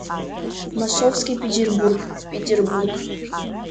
Масовски петербург, Петербург!